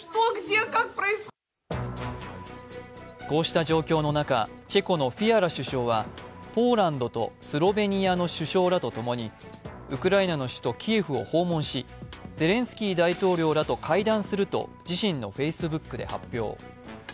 こうした状況の中、チェコのフィアラ首相はポーランドとスロベニアの首相らと共にウクライナの首都キエフを訪問し、ゼレンスキー大統領らと会談すると自身のＦａｃｅｂｏｏｋで発表。